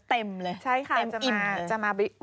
เต็มอยู่เข้ามาดูดังวิเคราะห์แบบเป็น